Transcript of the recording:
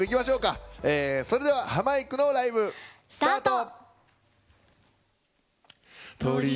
それではハマいくのライブ、スタート。